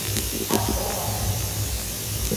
اب خوف آتا ہے